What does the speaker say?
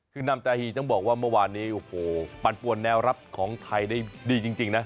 คือนำตาฮีต้องบอกว่าเมื่อวานนี้โอ้โหปั่นปวนแนวรับของไทยได้ดีจริงนะ